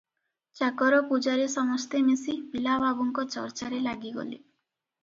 ଚାକର ପୂଜାରୀ ସମସ୍ତେ ମିଶି ପିଲା ବାବୁଙ୍କ ଚର୍ଚ୍ଚାରେ ଲାଗିଗଲେ ।